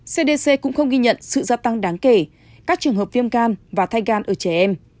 cdc cũng không ghi nhận sự gia tăng đáng kể các trường hợp viêm gan và thai gan ở trẻ em